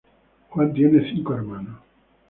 Juan tiene cinco hermanos.